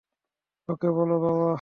ওকে বলো, বাবা।